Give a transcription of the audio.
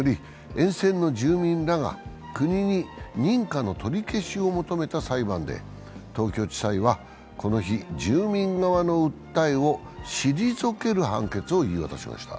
沿線の住民らが国に認可の取り消しを求めた裁判で、東京地裁は、この日、住民側の訴えを退ける判決を言い渡しました。